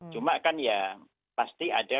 cuma kan ya pasti ada